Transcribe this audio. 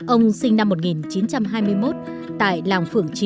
ông sinh năm một nghìn chín trăm hai mươi một tại làng phượng trì huyện đan phượng hà nội